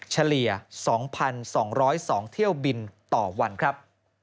เฉลี่ย๒๒๐๒เที่ยวบินต่อวันครับ